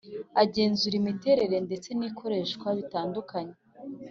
Agenzura imiterere ndetse n’ikoreshwa bitandukanye